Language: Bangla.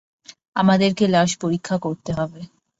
আমাদেরকে লাশ পরীক্ষা করতে হবে।